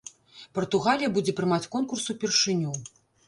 Партугалія будзе прымаць конкурс упершыню.